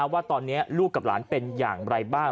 ว่าตอนนี้ลูกกับหลานเป็นอย่างไรบ้าง